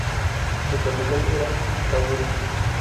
Su capital era Kabul.